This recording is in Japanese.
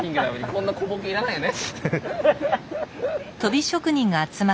こんな小ボケいらないよね。